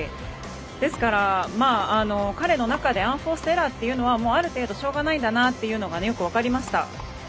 ですから、彼の中でアンフォーストエラーはある程度しょうがないんだなというのがよく分かりました。